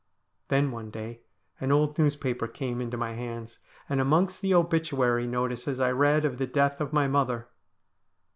Then one day an old newspaper came into my hands, and amongst the obituary notices I read of the death of my mother.